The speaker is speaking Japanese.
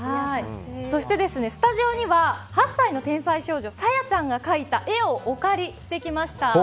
そして、スタジオには８歳の天才少女ＳＡＹＡちゃんが描いた絵をお借りしてきました。